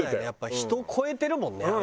やっぱり人を超えてるもんね